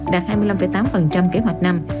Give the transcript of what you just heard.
đạt hai mươi năm tám kế hoạch năm